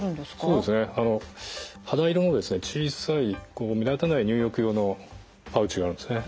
そうですね肌色の小さい目立たない入浴用のパウチがあるんですね。